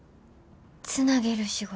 つなげる仕事。